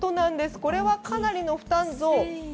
これはかなりの負担増。